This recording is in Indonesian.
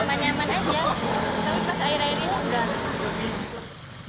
tapi pas air air ini nggak